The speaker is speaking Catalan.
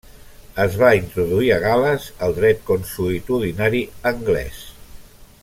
Es va introduir a gal·les el dret consuetudinari anglès.